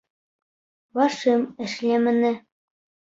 Башым эшләмәне.